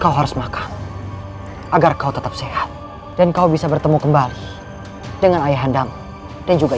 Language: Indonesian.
kau harus makan agar kau tetap sehat dan kau bisa bertemu kembali dengan ayah andamu dan juga